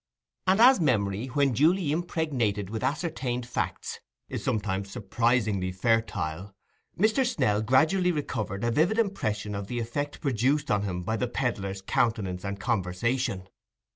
And as memory, when duly impregnated with ascertained facts, is sometimes surprisingly fertile, Mr. Snell gradually recovered a vivid impression of the effect produced on him by the pedlar's countenance and conversation.